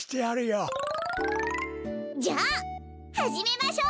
じゃあはじめましょう！